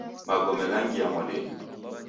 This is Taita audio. Magome ghangia modenyi.